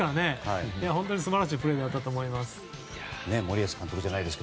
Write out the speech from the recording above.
本当に素晴らしいプレーだったと思います。